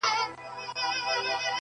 • له وړو او سترو لویو نهنګانو -